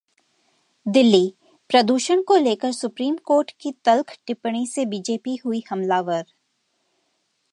दिल्ली: प्रदूषण को लेकर सुप्रीम कोर्ट की तल्ख टिप्पणी से बीजेपी हुई हमलावर